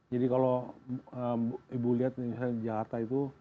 jadi kalau ibu lihat misalnya jakarta itu